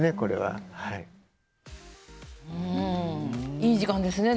いい時間ですね